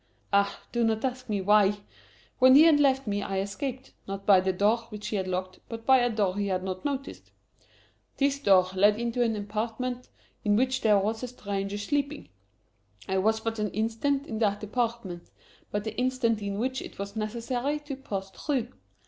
Ah, do not ask me why? When he had left me, I escaped, not by the door which he had locked, but by a door he had not noticed. This door led into an apartment in which there was a stranger sleeping. I was but an instant in that apartment but the instant in which it was necessary to pass through.